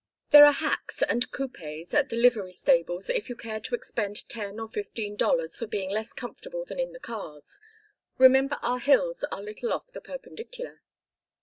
"There are hacks and coupés at the livery stables, if you care to expend ten or fifteen dollars for being less comfortable than in the cars. Remember our hills are little off the perpendicular."